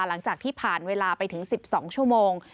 หลังจากที่ผ่านเวลาไปถึง๑๒ชั่วโมง